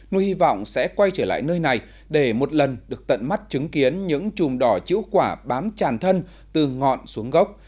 nuôi hy vọng sẽ quay trở lại nơi này để một lần được tận mắt chứng kiến những trùm đỏ chữ quả bám tràn thân từ ngọn xuống gốc